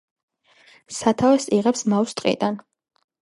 სათავეს იღებს მაუს ტყიდან.